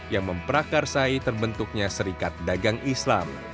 yang memprakarsai terbentuknya serikat dagang islam